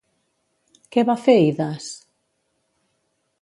Què va fer Idas?